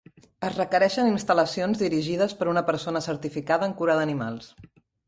Es requereixen instal·lacions dirigides per una persona certificada en cura d'animals.